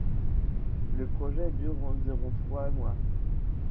Le projet dure environ trois mois.